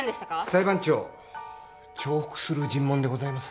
裁判長重複する尋問でございます。